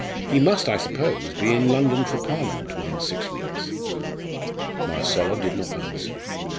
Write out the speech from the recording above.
He must, I suppose, be in London for Parliament within six weeks." Marcella did not answer.